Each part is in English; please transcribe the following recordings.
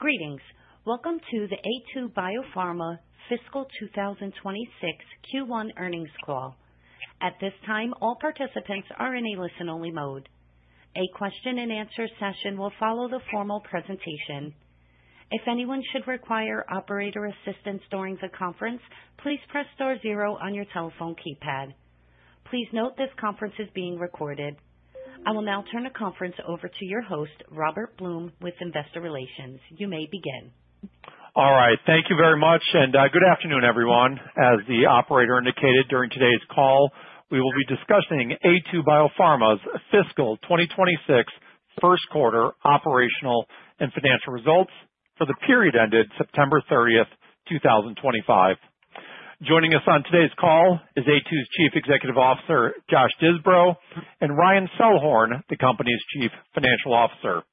Greetings. Welcome to the Aytu BioPharma Fiscal 2026 Q1 Earnings Call. At this time, all participants are in a listen-only mode. A question-and-answer session will follow the formal presentation. If anyone should require operator assistance during the conference, please press star zero on your telephone keypad. Please note this conference is being recorded. I will now turn the conference over to your host, Robert Blum, with Investor Relations. You may begin. All right. Thank you very much, and good afternoon, everyone. As the operator indicated during today's call, we will be discussing Aytu BioPharma's Fiscal 2026 First Quarter Operational and Financial Results for the period ended September 30th, 2025. Joining us on today's call is Aytu's Chief Executive Officer, Josh Disbrow, and Ryan Selhorn, the company's Chief Financial Officer.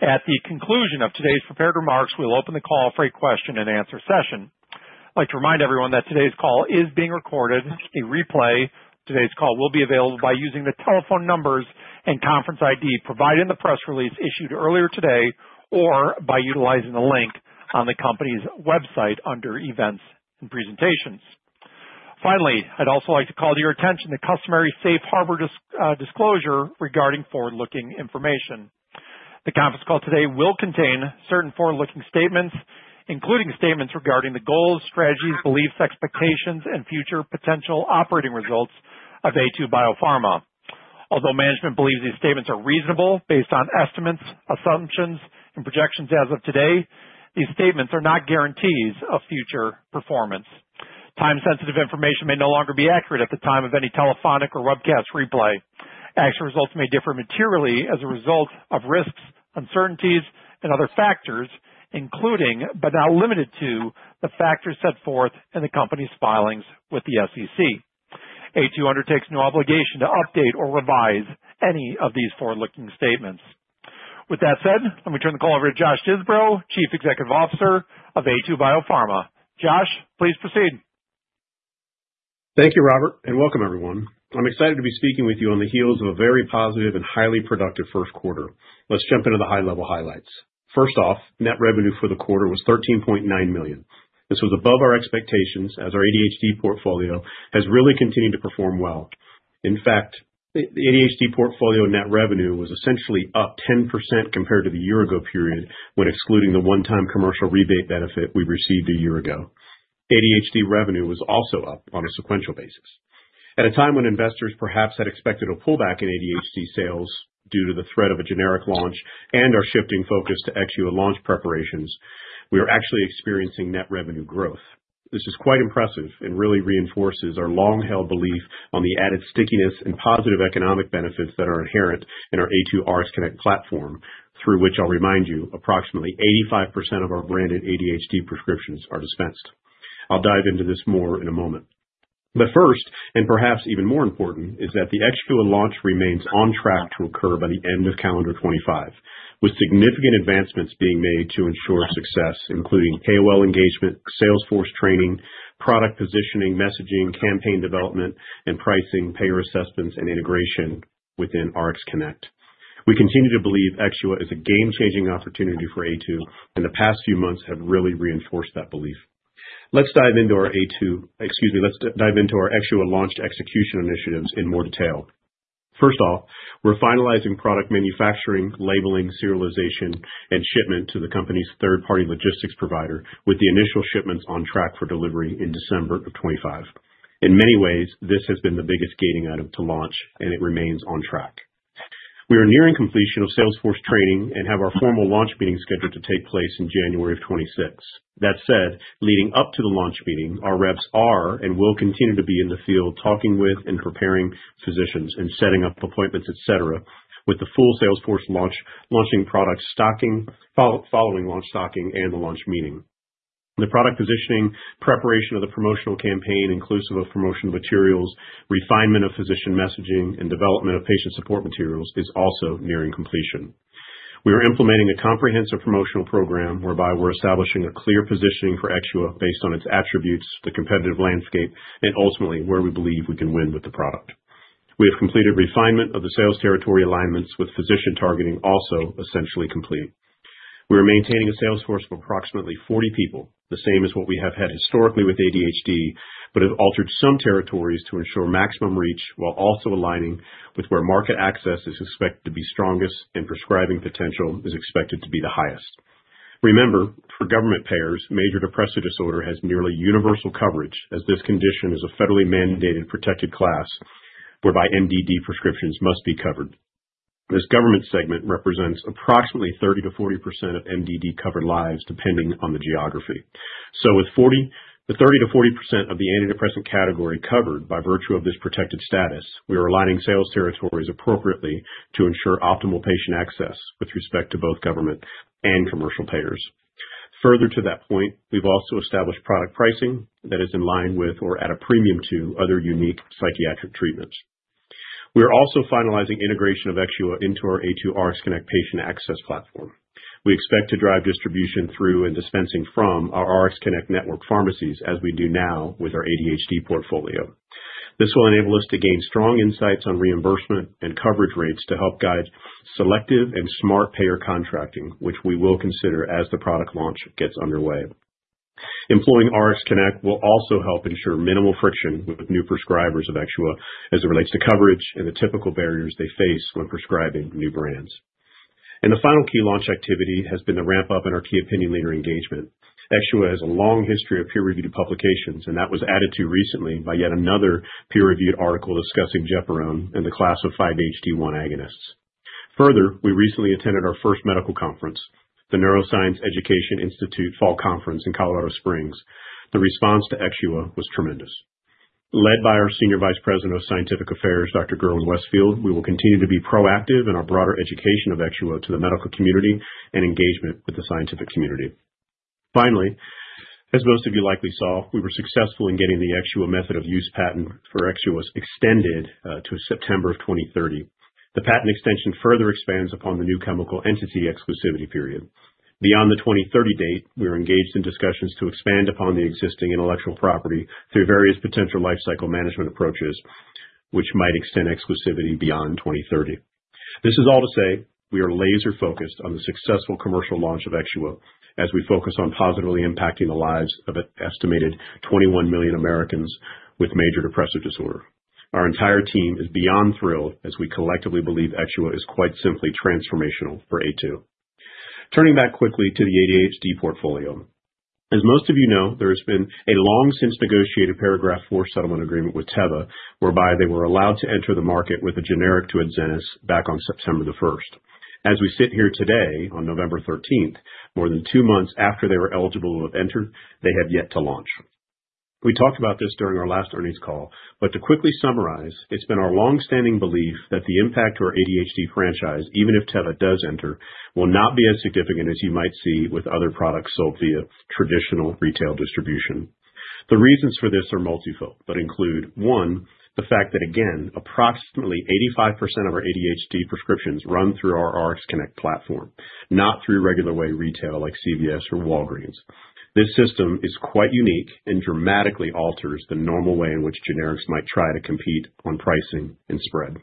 At the conclusion of today's prepared remarks, we'll open the call for a question-and-answer session. I'd like to remind everyone that today's call is being recorded. A replay of today's call will be available by using the telephone numbers and conference ID provided in the press release issued earlier today or by utilizing the link on the company's website under Events and Presentations. Finally, I'd also like to call to your attention the customary safe harbor disclosure regarding forward-looking information. The conference call today will contain certain forward-looking statements, including statements regarding the goals, strategies, beliefs, expectations, and future potential operating results of Aytu BioPharma. Although management believes these statements are reasonable based on estimates, assumptions, and projections as of today, these statements are not guarantees of future performance. Time-sensitive information may no longer be accurate at the time of any telephonic or webcast replay. Actual results may differ materially as a result of risks, uncertainties, and other factors, including, but not limited to, the factors set forth in the company's filings with the SEC. Aytu undertakes no obligation to update or revise any of these forward-looking statements. With that said, let me turn the call over to Josh Disbrow, Chief Executive Officer of Aytu BioPharma. Josh, please proceed. Thank you, Robert, and welcome, everyone. I'm excited to be speaking with you on the heels of a very positive and highly productive first quarter. Let's jump into the high-level highlights. First off, net revenue for the quarter was $13.9 million. This was above our expectations as our ADHD portfolio has really continued to perform well. In fact, the ADHD portfolio net revenue was essentially up 10% compared to the year-ago period when excluding the one-time commercial rebate benefit we received a year ago. ADHD revenue was also up on a sequential basis. At a time when investors perhaps had expected a pullback in ADHD sales due to the threat of a generic launch and our shifting focus to Exxua launch preparations, we are actually experiencing net revenue growth. This is quite impressive and really reinforces our long-held belief on the added stickiness and positive economic benefits that are inherent in our Aytu RxConnect platform, through which, I'll remind you, approximately 85% of our branded ADHD prescriptions are dispensed. I'll dive into this more in a moment. First, and perhaps even more important, is that the Exxua launch remains on track to occur by the end of calendar 2025, with significant advancements being made to ensure success, including KOL engagement, Salesforce training, product positioning, messaging, campaign development, and pricing, payer assessments, and integration within RxConnect. We continue to believe Exxua is a game-changing opportunity for Aytu, and the past few months have really reinforced that belief. Let's dive into our Aytu—excuse me, let's dive into our Exxua launch execution initiatives in more detail. First off, we're finalizing product manufacturing, labeling, serialization, and shipment to the company's third-party logistics provider, with the initial shipments on track for delivery in December of 2025. In many ways, this has been the biggest gating item to launch, and it remains on track. We are nearing completion of Salesforce training and have our formal launch meeting scheduled to take place in January of 2026. That said, leading up to the launch meeting, our reps are and will continue to be in the field talking with and preparing physicians and setting up appointments, etc., with the full Salesforce launching product stocking, following launch stocking, and the launch meeting. The product positioning, preparation of the promotional campaign, inclusive of promotional materials, refinement of physician messaging, and development of patient support materials is also nearing completion. We are implementing a comprehensive promotional program whereby we're establishing a clear positioning for Exxua based on its attributes, the competitive landscape, and ultimately where we believe we can win with the product. We have completed refinement of the sales territory alignments with physician targeting also essentially complete. We are maintaining a Salesforce of approximately 40 people, the same as what we have had historically with ADHD, but have altered some territories to ensure maximum reach while also aligning with where market access is expected to be strongest and prescribing potential is expected to be the highest. Remember, for government payers, major depressive disorder has nearly universal coverage as this condition is a federally mandated protected class whereby MDD prescriptions must be covered. This government segment represents approximately 30%-40% of MDD-covered lives depending on the geography. With 30%-40% of the antidepressant category covered by virtue of this protected status, we are aligning sales territories appropriately to ensure optimal patient access with respect to both government and commercial payers. Further to that point, we've also established product pricing that is in line with or at a premium to other unique psychiatric treatments. We are also finalizing integration of Exxua into our Aytu RxConnect patient access platform. We expect to drive distribution through and dispensing from our RxConnect network pharmacies as we do now with our ADHD portfolio. This will enable us to gain strong insights on reimbursement and coverage rates to help guide selective and smart payer contracting, which we will consider as the product launch gets underway. Employing RxConnect will also help ensure minimal friction with new prescribers of Exxua as it relates to coverage and the typical barriers they face when prescribing new brands. The final key launch activity has been the ramp-up in our key opinion leader engagement. Exxua has a long history of peer-reviewed publications, and that was added to recently by yet another peer-reviewed article discussing gepirone and the class of 5-HT1 agonists. Further, we recently attended our first medical conference, the Neuroscience Education Institute Fall Conference in Colorado Springs. The response to Exxua was tremendous. Led by our Senior Vice President of Scientific Affairs, Dr. Gerwin Westfield, we will continue to be proactive in our broader education of Exxua to the medical community and engagement with the scientific community. Finally, as most of you likely saw, we were successful in getting the Exxua method of use patent for Exxua extended to September of 2030. The patent extension further expands upon the new chemical entity exclusivity period. Beyond the 2030 date, we are engaged in discussions to expand upon the existing intellectual property through various potential lifecycle management approaches, which might extend exclusivity beyond 2030. This is all to say we are laser-focused on the successful commercial launch of Exxua as we focus on positively impacting the lives of an estimated 21 million Americans with major depressive disorder. Our entire team is beyond thrilled as we collectively believe Exxua is quite simply transformational for Aytu. Turning back quickly to the ADHD portfolio. As most of you know, there has been a long-since negotiated Paragraph four Settlement Agreement with Teva, whereby they were allowed to enter the market with a generic to Xenace back on September 1st. As we sit here today, on November 13th, more than two months after they were eligible to have entered, they have yet to launch. We talked about this during our last earnings call, but to quickly summarize, it's been our long-standing belief that the impact to our ADHD franchise, even if Teva does enter, will not be as significant as you might see with other products sold via traditional retail distribution. The reasons for this are multifold, but include, one, the fact that, again, approximately 85% of our ADHD prescriptions run through our RxConnect platform, not through regular way retail like CVS or Walgreens. This system is quite unique and dramatically alters the normal way in which generics might try to compete on pricing and spread.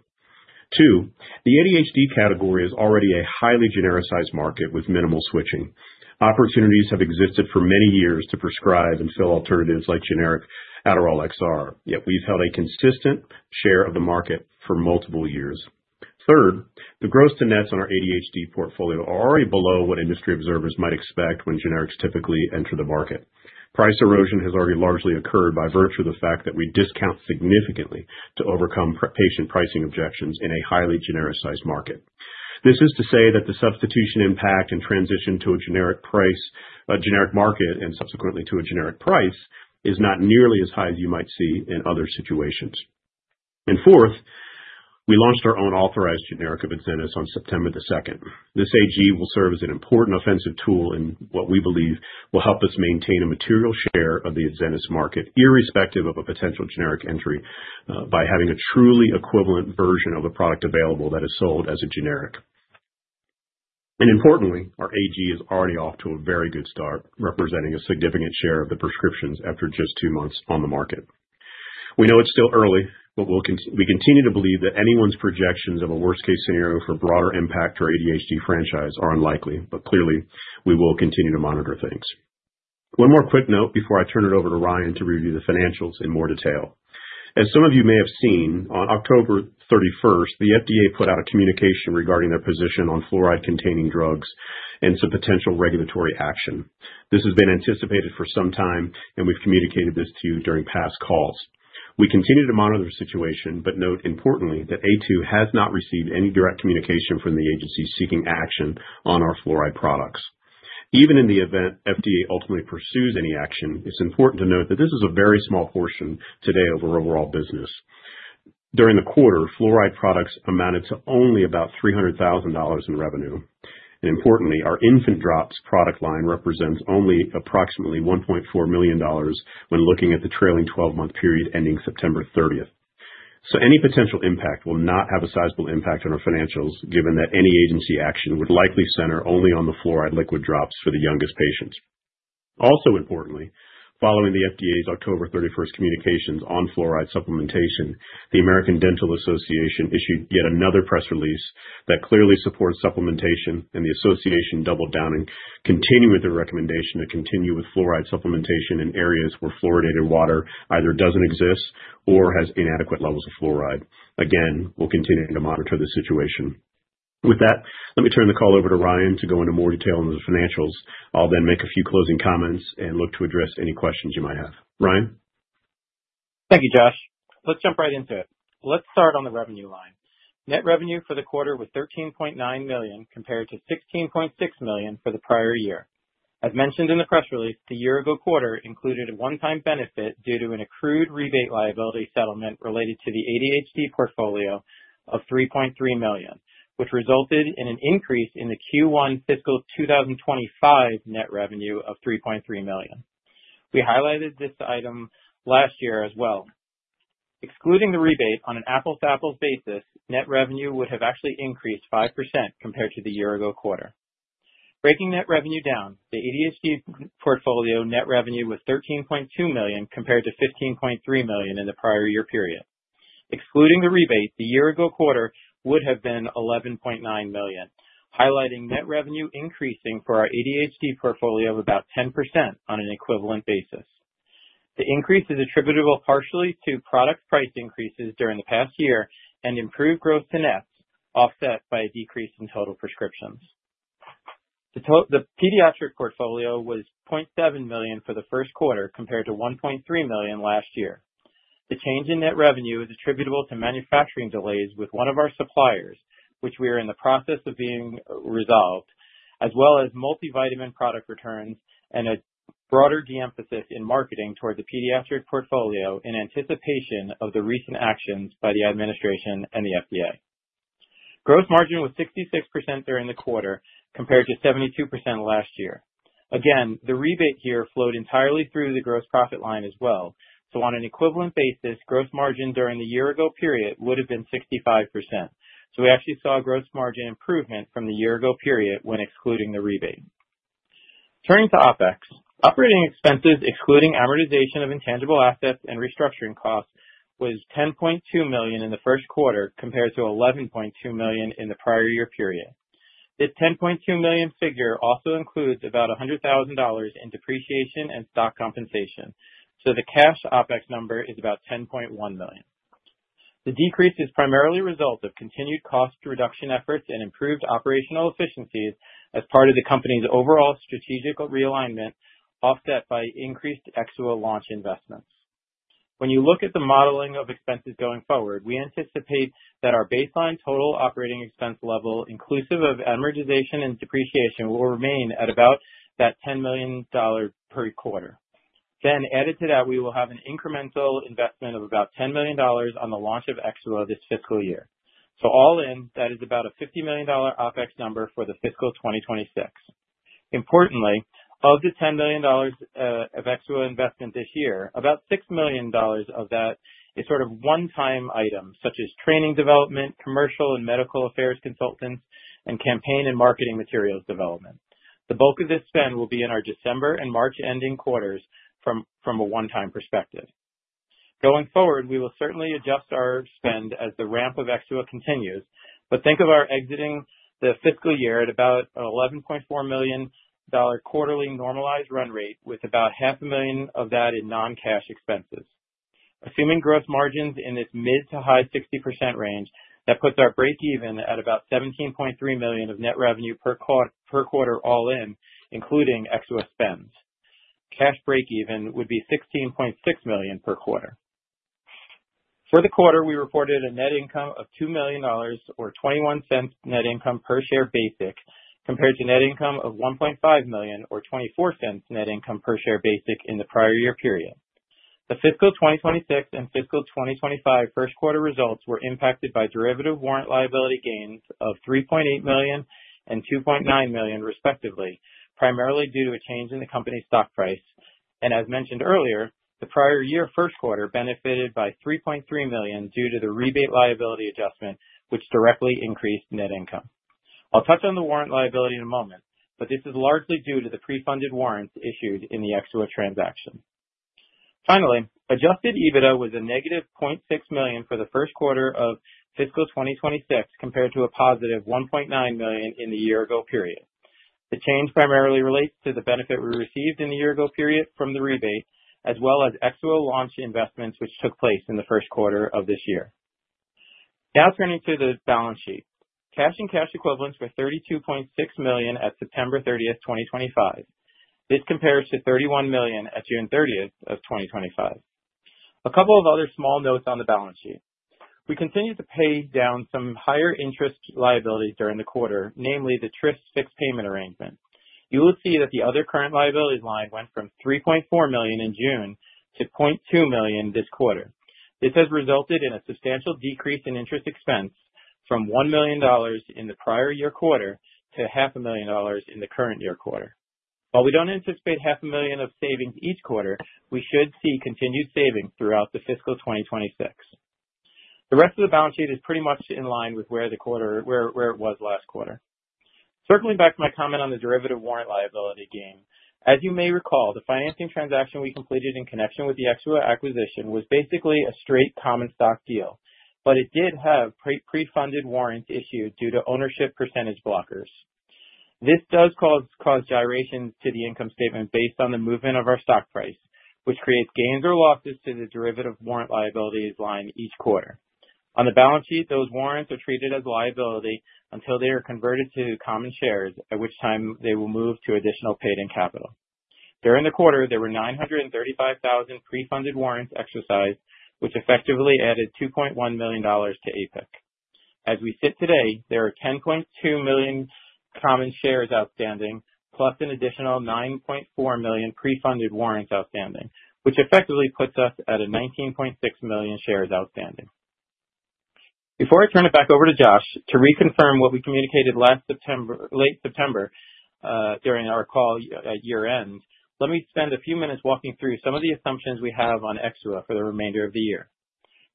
Two, the ADHD category is already a highly genericized market with minimal switching. Opportunities have existed for many years to prescribe and fill alternatives like generic Adderall XR, yet we've held a consistent share of the market for multiple years. Third, the gross to nets on our ADHD portfolio are already below what industry observers might expect when generics typically enter the market. Price erosion has already largely occurred by virtue of the fact that we discount significantly to overcome patient pricing objections in a highly genericized market. This is to say that the substitution impact and transition to a generic market and subsequently to a generic price is not nearly as high as you might see in other situations. Fourth, we launched our own authorized generic of Xenace on September 2nd. This AG will serve as an important offensive tool in what we believe will help us maintain a material share of the Xenace market irrespective of a potential generic entry by having a truly equivalent version of a product available that is sold as a generic. Importantly, our AG is already off to a very good start, representing a significant share of the prescriptions after just two months on the market. We know it is still early, but we continue to believe that anyone's projections of a worst-case scenario for broader impact to our ADHD franchise are unlikely, but clearly, we will continue to monitor things. One more quick note before I turn it over to Ryan to review the financials in more detail. As some of you may have seen, on October 31st, the FDA put out a communication regarding their position on fluoride-containing drugs and some potential regulatory action. This has been anticipated for some time, and we've communicated this to you during past calls. We continue to monitor the situation, but note importantly that Aytu has not received any direct communication from the agency seeking action on our fluoride products. Even in the event FDA ultimately pursues any action, it's important to note that this is a very small portion today of our overall business. During the quarter, fluoride products amounted to only about $300,000 in revenue. Importantly, our infant drops product line represents only approximately $1.4 million when looking at the trailing 12-month period ending September 30th. Any potential impact will not have a sizable impact on our financials, given that any agency action would likely center only on the fluoride liquid drops for the youngest patients. Also importantly, following the FDA's October 31st communications on fluoride supplementation, the American Dental Association issued yet another press release that clearly supports supplementation, and the association doubled down and continued with their recommendation to continue with fluoride supplementation in areas where fluoridated water either does not exist or has inadequate levels of fluoride. Again, we will continue to monitor the situation. With that, let me turn the call over to Ryan to go into more detail on the financials. I will then make a few closing comments and look to address any questions you might have. Ryan? Thank you, Josh. Let's jump right into it. Let's start on the revenue line. Net revenue for the quarter was $13.9 million compared to $16.6 million for the prior year. As mentioned in the press release, the year-ago quarter included a one-time benefit due to an accrued rebate liability settlement related to the ADHD portfolio of $3.3 million, which resulted in an increase in the Q1 fiscal 2025 net revenue of $3.3 million. We highlighted this item last year as well. Excluding the rebate on an apples-to-apples basis, net revenue would have actually increased 5% compared to the year-ago quarter. Breaking net revenue down, the ADHD portfolio net revenue was $13.2 million compared to $15.3 million in the prior year period. Excluding the rebate, the year-ago quarter would have been $11.9 million, highlighting net revenue increasing for our ADHD portfolio of about 10% on an equivalent basis. The increase is attributable partially to product price increases during the past year and improved gross to nets, offset by a decrease in total prescriptions. The pediatric portfolio was $0.7 million for the first quarter compared to $1.3 million last year. The change in net revenue is attributable to manufacturing delays with one of our suppliers, which we are in the process of being resolved, as well as multivitamin product returns and a broader de-emphasis in marketing toward the pediatric portfolio in anticipation of the recent actions by the administration and the FDA. Gross margin was 66% during the quarter compared to 72% last year. Again, the rebate here flowed entirely through the gross profit line as well. On an equivalent basis, gross margin during the year-ago period would have been 65%. We actually saw a gross margin improvement from the year-ago period when excluding the rebate. Turning to OpEx, operating expenses excluding amortization of intangible assets and restructuring costs was $10.2 million in the first quarter compared to $11.2 million in the prior year period. This $10.2 million figure also includes about $100,000 in depreciation and stock compensation. So the cash OpEx number is about $10.1 million. The decrease is primarily a result of continued cost reduction efforts and improved operational efficiencies as part of the company's overall strategic realignment, offset by increased Exxua launch investments. When you look at the modeling of expenses going forward, we anticipate that our baseline total operating expense level, inclusive of amortization and depreciation, will remain at about that $10 million per quarter. Then, added to that, we will have an incremental investment of about $10 million on the launch of Exxua this fiscal year. All in, that is about a $50 million OpEx number for the fiscal 2026. Importantly, of the $10 million of Exxua investment this year, about $6 million of that is sort of one-time items, such as training development, commercial and medical affairs consultants, and campaign and marketing materials development. The bulk of this spend will be in our December and March ending quarters from a one-time perspective. Going forward, we will certainly adjust our spend as the ramp of Exxua continues, but think of our exiting the fiscal year at about an $11.4 million quarterly normalized run rate with about $500,000 of that in non-cash expenses. Assuming gross margins in this mid to high 60% range, that puts our break-even at about $17.3 million of net revenue per quarter all in, including Exxua spends. Cash break-even would be $16.6 million per quarter. For the quarter, we reported a net income of $2 million or $0.21 net income per share basic compared to net income of $1.5 million or $0.24 net income per share basic in the prior year period. The fiscal 2026 and fiscal 2025 first quarter results were impacted by derivative warrant liability gains of $3.8 million and $2.9 million, respectively, primarily due to a change in the company's stock price. As mentioned earlier, the prior year first quarter benefited by $3.3 million due to the rebate liability adjustment, which directly increased net income. I'll touch on the warrant liability in a moment, but this is largely due to the pre-funded warrants issued in the Exxua transaction. Finally, adjusted EBITDA was a negative $0.6 million for the first quarter of fiscal 2026 compared to a positive $1.9 million in the year-ago period. The change primarily relates to the benefit we received in the year-ago period from the rebate, as well as Exxua launch investments, which took place in the first quarter of this year. Now turning to the balance sheet, cash and cash equivalents were $32.6 million at September 30th, 2025. This compares to $31 million at June 30th, 2025. A couple of other small notes on the balance sheet. We continue to pay down some higher interest liabilities during the quarter, namely the Tris fixed payment arrangement. You will see that the other current liabilities line went from $3.4 million in June to $0.2 million this quarter. This has resulted in a substantial decrease in interest expense from $1 million in the prior year quarter to $500,000 in the current year quarter. While we do not anticipate $500,000 of savings each quarter, we should see continued savings throughout the fiscal 2026. The rest of the balance sheet is pretty much in line with where it was last quarter. Circling back to my comment on the derivative warrant liability gain, as you may recall, the financing transaction we completed in connection with the Exxua acquisition was basically a straight common stock deal, but it did have pre-funded warrants issued due to ownership percentage blockers. This does cause gyrations to the income statement based on the movement of our stock price, which creates gains or losses to the derivative warrant liabilities line each quarter. On the balance sheet, those warrants are treated as liability until they are converted to common shares, at which time they will move to additional paid-in capital. During the quarter, there were 935,000 pre-funded warrants exercised, which effectively added $2.1 million to APIC. As we sit today, there are 10.2 million common shares outstanding, plus an additional 9.4 million pre-funded warrants outstanding, which effectively puts us at a 19.6 million shares outstanding. Before I turn it back over to Josh to reconfirm what we communicated last late September during our call at year-end, let me spend a few minutes walking through some of the assumptions we have on Exxua for the remainder of the year.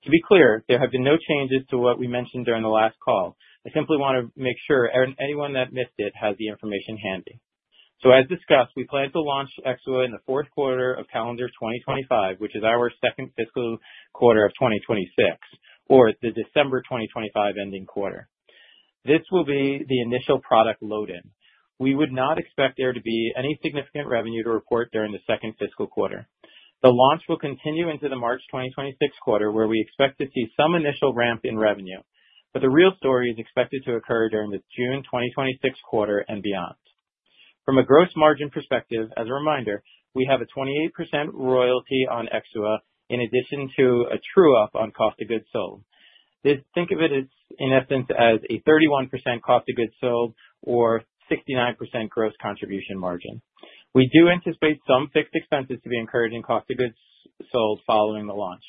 To be clear, there have been no changes to what we mentioned during the last call. I simply want to make sure anyone that missed it has the information handy. As discussed, we plan to launch Exxua in the fourth quarter of calendar 2025, which is our second fiscal quarter of 2026, or the December 2025 ending quarter. This will be the initial product load-in. We would not expect there to be any significant revenue to report during the second fiscal quarter. The launch will continue into the March 2026 quarter, where we expect to see some initial ramp in revenue, but the real story is expected to occur during the June 2026 quarter and beyond. From a gross margin perspective, as a reminder, we have a 28% royalty on Exxua in addition to a true-up on cost of goods sold. Think of it, in essence, as a 31% cost of goods sold or 69% gross contribution margin. We do anticipate some fixed expenses to be incurred in cost of goods sold following the launch.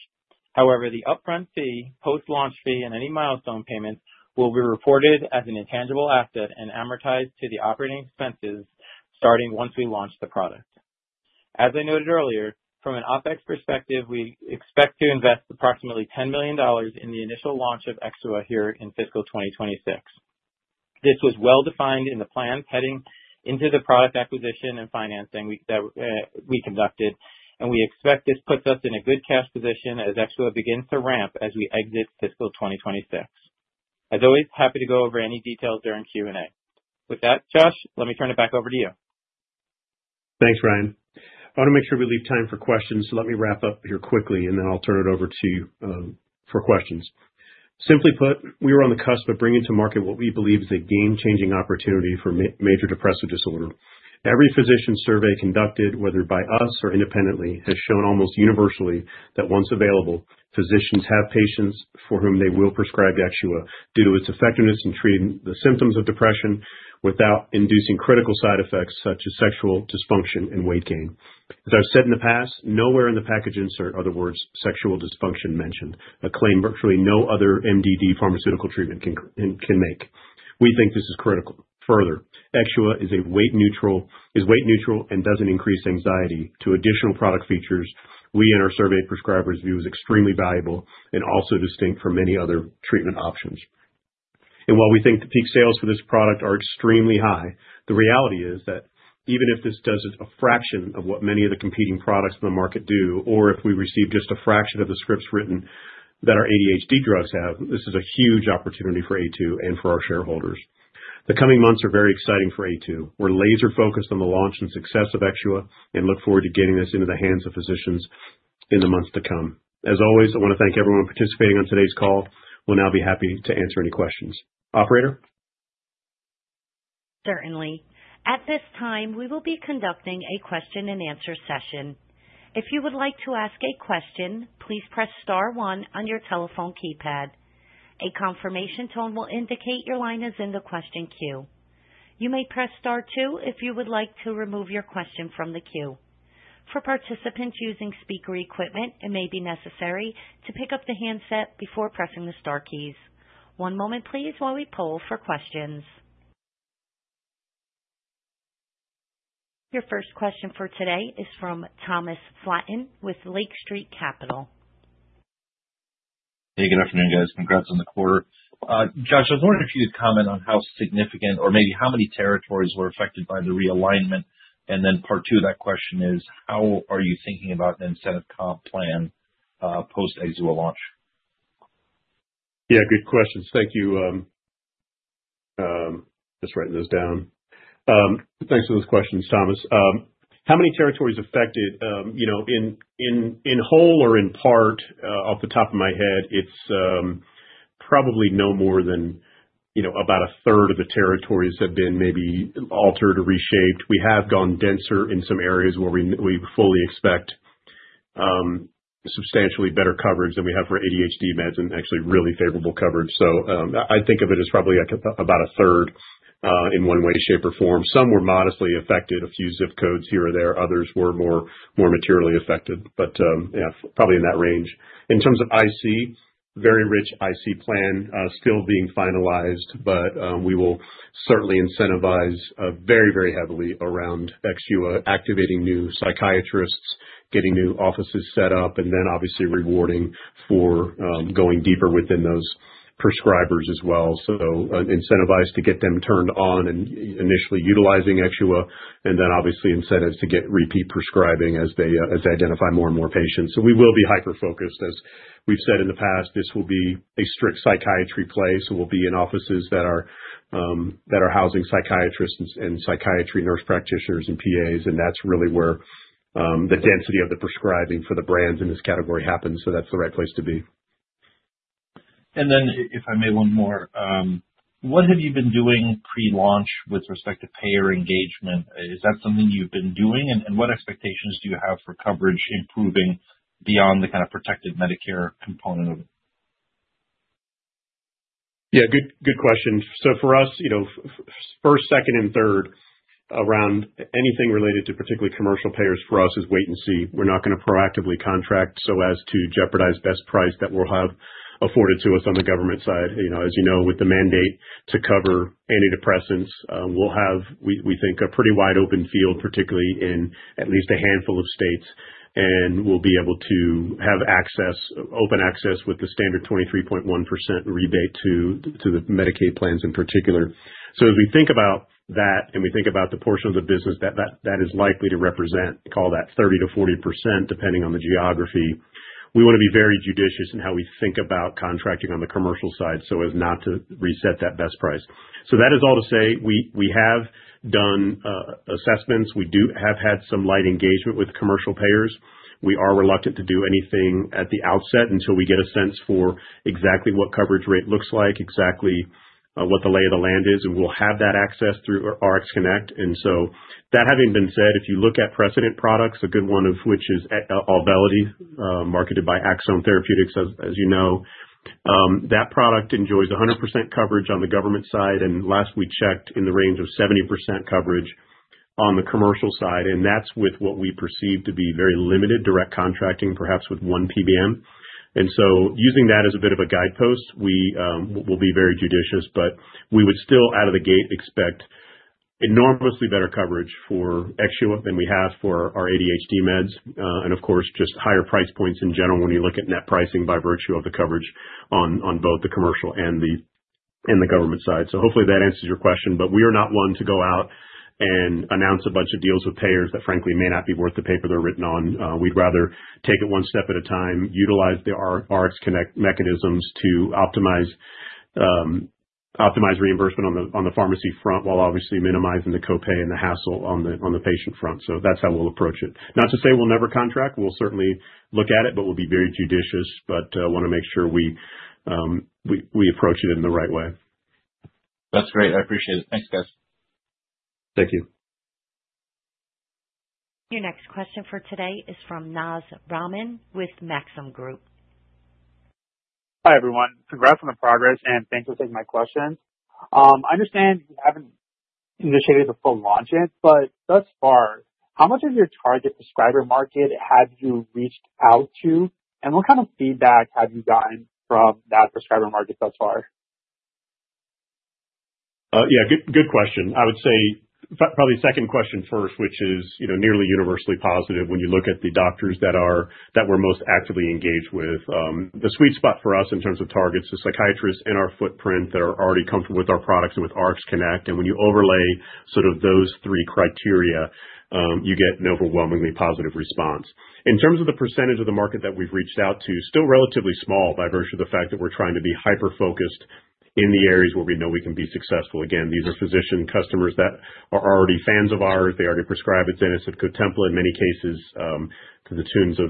However, the upfront fee, post-launch fee, and any milestone payments will be reported as an intangible asset and amortized to the operating expenses starting once we launch the product. As I noted earlier, from an OpEx perspective, we expect to invest approximately $10 million in the initial launch of Exxua here in fiscal 2026. This was well-defined in the plans heading into the product acquisition and financing that we conducted, and we expect this puts us in a good cash position as Exxua begins to ramp as we exit fiscal 2026. As always, happy to go over any details during Q&A. With that, Josh, let me turn it back over to you. Thanks, Ryan. I want to make sure we leave time for questions, so let me wrap up here quickly, and then I'll turn it over to you for questions. Simply put, we were on the cusp of bringing to market what we believe is a game-changing opportunity for major depressive disorder. Every physician survey conducted, whether by us or independently, has shown almost universally that once available, physicians have patients for whom they will prescribe Exxua due to its effectiveness in treating the symptoms of depression without inducing critical side effects such as sexual dysfunction and weight gain. As I've said in the past, nowhere in the package insert are the words sexual dysfunction mentioned, a claim virtually no other MDD pharmaceutical treatment can make. We think this is critical. Further, Exxua is weight neutral and doesn't increase anxiety. To additional product features, we and our surveyed prescribers view as extremely valuable and also distinct from many other treatment options. While we think the peak sales for this product are extremely high, the reality is that even if this does a fraction of what many of the competing products in the market do, or if we receive just a fraction of the scripts written that our ADHD drugs have, this is a huge opportunity for Aytu and for our shareholders. The coming months are very exciting for Aytu. We're laser-focused on the launch and success of Exxua and look forward to getting this into the hands of physicians in the months to come. As always, I want to thank everyone participating on today's call. We'll now be happy to answer any questions. Operator? Certainly. At this time, we will be conducting a question-and-answer session. If you would like to ask a question, please press star one on your telephone keypad. A confirmation tone will indicate your line is in the question queue. You may press star two if you would like to remove your question from the queue. For participants using speaker equipment, it may be necessary to pick up the handset before pressing the star keys. One moment, please, while we poll for questions. Your first question for today is from Thomas Flaten with Lake Street Capital. Hey, good afternoon, guys. Congrats on the quarter. Josh, I was wondering if you could comment on how significant, or maybe how many territories were affected by the realignment. Part two of that question is, how are you thinking about an incentive comp plan post-Exxua launch? Yeah, good questions. Thank you. Just writing those down. Thanks for those questions, Thomas. How many territories affected? In whole or in part, off the top of my head, it's probably no more than about a third of the territories have been maybe altered or reshaped. We have gone denser in some areas where we fully expect substantially better coverage than we have for ADHD meds and actually really favorable coverage. I think of it as probably about a third in one way, shape, or form. Some were modestly affected, a few zip codes here or there. Others were more materially affected, but probably in that range. In terms of IC, very rich IC plan still being finalized, but we will certainly incentivize very, very heavily around Exxua, activating new psychiatrists, getting new offices set up, and then obviously rewarding for going deeper within those prescribers as well. To incentivize to get them turned on and initially utilizing Exxua, and then obviously incentives to get repeat prescribing as they identify more and more patients. We will be hyper-focused. As we've said in the past, this will be a strict psychiatry play. We'll be in offices that are housing psychiatrists and psychiatry nurse practitioners and PAs, and that's really where the density of the prescribing for the brands in this category happens. That's the right place to be. If I may, one more. What have you been doing pre-launch with respect to payer engagement? Is that something you've been doing? And what expectations do you have for coverage improving beyond the kind of protective Medicare component of it? Yeah, good question. For us, first, second, and third, around anything related to particularly commercial payers for us is wait and see. We're not going to proactively contract so as to jeopardize best price that we'll have afforded to us on the government side. As you know, with the mandate to cover antidepressants, we'll have, we think, a pretty wide open field, particularly in at least a handful of states, and we'll be able to have open access with the standard 23.1% rebate to the Medicaid plans in particular. As we think about that and we think about the portion of the business that is likely to represent, call that 30%-40%, depending on the geography, we want to be very judicious in how we think about contracting on the commercial side so as not to reset that best price. That is all to say we have done assessments. We do have had some light engagement with commercial payers. We are reluctant to do anything at the outset until we get a sense for exactly what coverage rate looks like, exactly what the lay of the land is, and we'll have that access through RxConnect. That having been said, if you look at precedent products, a good one of which is Auvelity, marketed by Axsome Therapeutics, as you know, that product enjoys 100% coverage on the government side, and last we checked, in the range of 70% coverage on the commercial side, and that's with what we perceive to be very limited direct contracting, perhaps with one PBM. Using that as a bit of a guidepost, we will be very judicious, but we would still, out of the gate, expect enormously better coverage for Exxua than we have for our ADHD meds, and of course, just higher price points in general when you look at net pricing by virtue of the coverage on both the commercial and the government side. Hopefully that answers your question, but we are not one to go out and announce a bunch of deals with payers that, frankly, may not be worth the paper they're written on. We'd rather take it one step at a time, utilize the RxConnect mechanisms to optimize reimbursement on the pharmacy front while obviously minimizing the copay and the hassle on the patient front. That's how we'll approach it. Not to say we'll never contract. We'll certainly look at it, but we'll be very judicious, but want to make sure we approach it in the right way. That's great. I appreciate it. Thanks, guys. Thank you. Your next question for today is from Naz Rahman with Maxim Group. Hi everyone. Congrats on the progress, and thanks for taking my questions. I understand you haven't initiated the full launch yet, but thus far, how much of your target prescriber market have you reached out to, and what kind of feedback have you gotten from that prescriber market thus far? Yeah, good question. I would say probably second question first, which is nearly universally positive when you look at the doctors that we're most actively engaged with. The sweet spot for us in terms of targets is psychiatrists in our footprint that are already comfortable with our products and with RxConnect, and when you overlay sort of those three criteria, you get an overwhelmingly positive response. In terms of the percentage of the market that we've reached out to, still relatively small by virtue of the fact that we're trying to be hyper-focused in the areas where we know we can be successful. Again, these are physician customers that are already fans of ours. They already prescribe Adzenys, Cotempla in many cases to the tunes of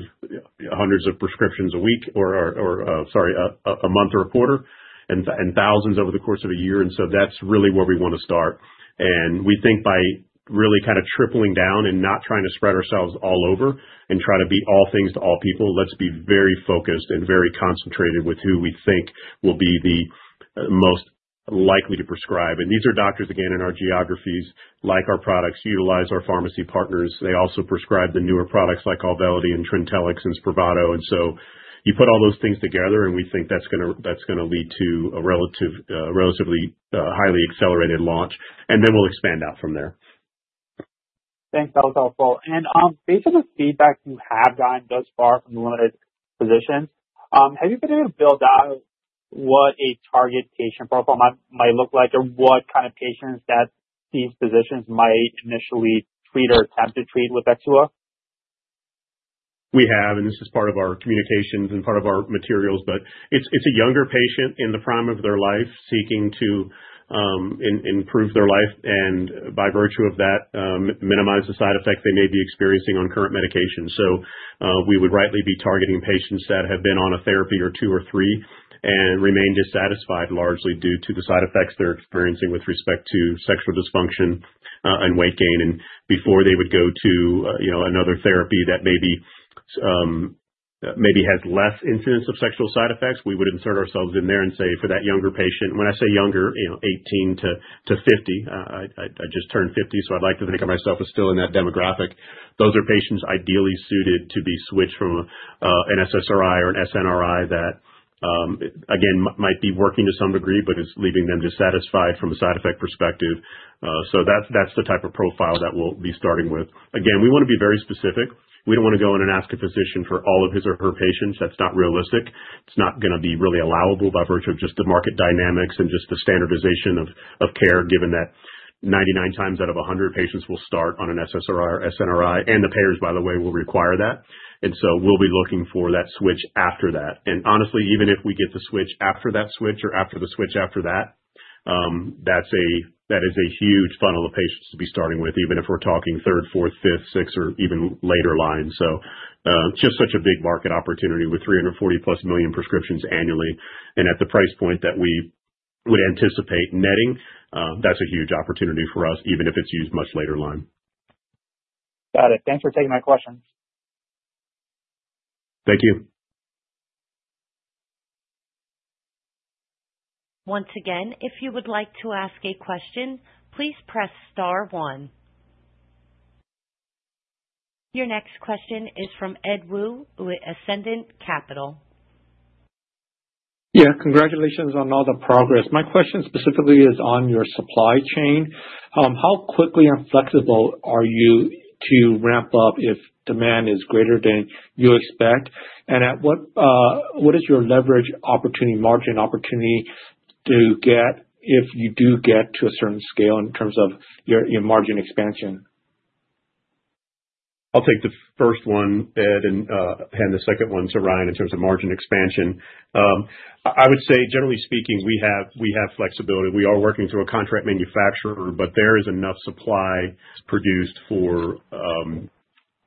hundreds of prescriptions a week or, sorry, a month or a quarter, and thousands over the course of a year. That is really where we want to start. We think by really kind of tripling down and not trying to spread ourselves all over and try to be all things to all people, let's be very focused and very concentrated with who we think will be the most likely to prescribe. These are doctors, again, in our geographies, like our products, utilize our pharmacy partners. They also prescribe the newer products like Auvelity and Trintellix and Spravato. You put all those things together, and we think that is going to lead to a relatively highly accelerated launch, and then we will expand out from there. Thanks. That was helpful. Based on the feedback you have gotten thus far from the limited physicians, have you been able to build out what a target patient profile might look like or what kind of patients that these physicians might initially treat or attempt to treat with Exxua? We have, and this is part of our communications and part of our materials, but it's a younger patient in the prime of their life seeking to improve their life and, by virtue of that, minimize the side effects they may be experiencing on current medication. We would rightly be targeting patients that have been on a therapy or two or three and remain dissatisfied largely due to the side effects they're experiencing with respect to sexual dysfunction and weight gain. Before they would go to another therapy that maybe has less incidence of sexual side effects, we would insert ourselves in there and say, for that younger patient, when I say younger, 18 years-50 years, I just turned 50, so I'd like to think of myself as still in that demographic, those are patients ideally suited to be switched from an SSRI or an SNRI that, again, might be working to some degree, but is leaving them dissatisfied from a side effect perspective. That is the type of profile that we'll be starting with. Again, we want to be very specific. We do not want to go in and ask a physician for all of his or her patients. That is not realistic. It's not going to be really allowable by virtue of just the market dynamics and just the standardization of care, given that 99x out of 100 patients will start on an SSRI or SNRI, and the payers, by the way, will require that. We will be looking for that switch after that. Honestly, even if we get the switch after that switch or after the switch after that, that is a huge funnel of patients to be starting with, even if we're talking third, fourth, fifth, sixth, or even later line. Just such a big market opportunity with 340+ million prescriptions annually, and at the price point that we would anticipate netting, that's a huge opportunity for us, even if it's used much later line. Got it. Thanks for taking my questions. Thank you. Once again, if you would like to ask a question, please press star one. Your next question is from Ed Wu with Ascendent Capital. Yeah, congratulations on all the progress. My question specifically is on your supply chain. How quickly and flexible are you to ramp up if demand is greater than you expect? What is your leverage opportunity, margin opportunity to get if you do get to a certain scale in terms of your margin expansion? I'll take the first one, Ed, and hand the second one to Ryan in terms of margin expansion. I would say, generally speaking, we have flexibility. We are working through a contract manufacturer, but there is enough supply produced for,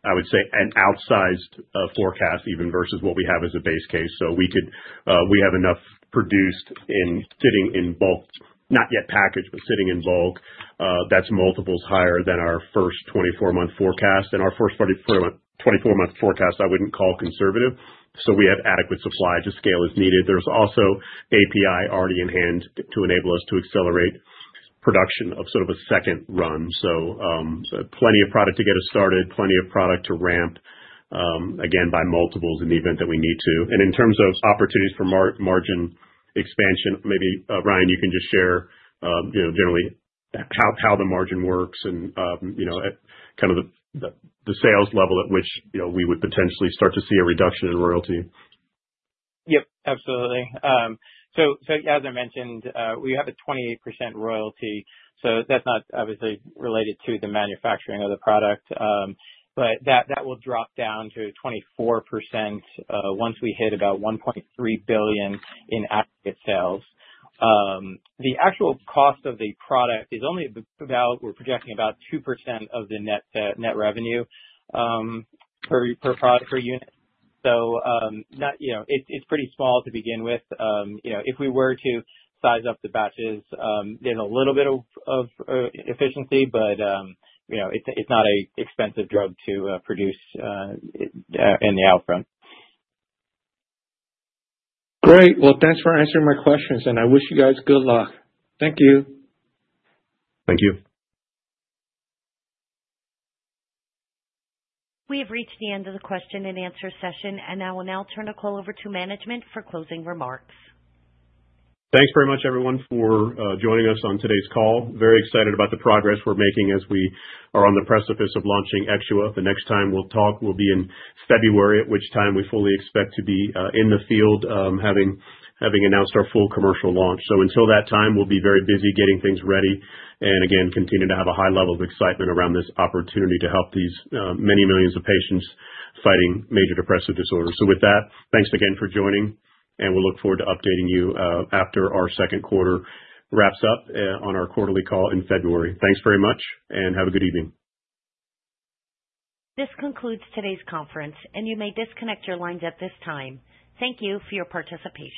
I would say, an outsized forecast even versus what we have as a base case. We have enough produced and sitting in bulk, not yet packaged, but sitting in bulk that's multiples higher than our first 24-month forecast. Our first 24-month forecast, I wouldn't call conservative. We have adequate supply to scale as needed. There is also API already in hand to enable us to accelerate production of sort of a second run. Plenty of product to get us started, plenty of product to ramp, again, by multiples in the event that we need to. In terms of opportunities for margin expansion, maybe Ryan, you can just share generally how the margin works and kind of the sales level at which we would potentially start to see a reduction in royalty. Yep, absolutely. As I mentioned, we have a 28% royalty. That is not obviously related to the manufacturing of the product, but that will drop down to 24% once we hit about $1.3 billion in aggregate sales. The actual cost of the product is only about, we are projecting about 2% of the net revenue per product per unit. It is pretty small to begin with. If we were to size up the batches, there is a little bit of efficiency, but it is not an expensive drug to produce in the outfront. Great. Thanks for answering my questions, and I wish you guys good luck. Thank you. Thank you. We have reached the end of the question and answer session, and I will now turn the call over to management for closing remarks. Thanks very much, everyone, for joining us on today's call. Very excited about the progress we're making as we are on the precipice of launching Exxua. The next time we'll talk will be in February, at which time we fully expect to be in the field having announced our full commercial launch. Until that time, we'll be very busy getting things ready and, again, continue to have a high level of excitement around this opportunity to help these many millions of patients fighting major depressive disorders. With that, thanks again for joining, and we'll look forward to updating you after our second quarter wraps up on our quarterly call in February. Thanks very much, and have a good evening. This concludes today's conference, and you may disconnect your lines at this time. Thank you for your participation.